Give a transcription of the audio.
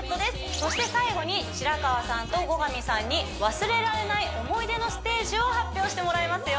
そして最後に白川さんと後上さんに忘れられない思い出のステージを発表してもらいますよ